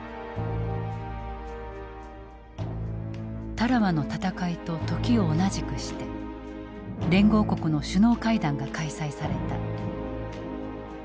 タラワの戦いと時を同じくして連合国の首脳会談が開催された。